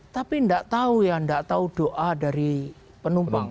tapi nggak tahu ya nggak tahu doa dari penumpang